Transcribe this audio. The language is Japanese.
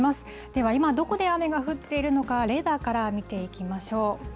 では今、どこで雨が降っているのか、レーダーから見ていきましょう。